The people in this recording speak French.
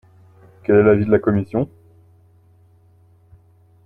Quel est l’avis de la commission?